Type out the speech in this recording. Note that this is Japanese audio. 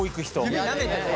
指なめてね。